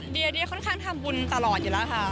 เดียค่อนข้างทำบุญตลอดอยู่แล้วค่ะ